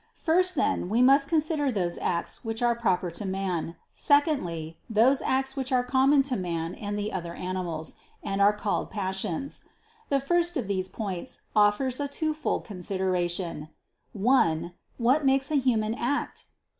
First, then, we must consider those acts which are proper to man; secondly, those acts which are common to man and the other animals, and are called Passions. The first of these points offers a twofold consideration: (1) What makes a human act?